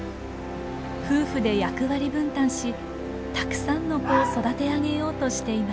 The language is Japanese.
夫婦で役割分担したくさんの子を育て上げようとしています。